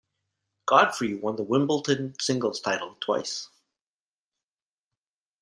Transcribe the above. Godfree won the Wimbledon singles title twice.